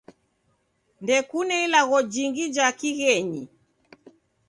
Ndekune ilagho jingi ja kighenyi.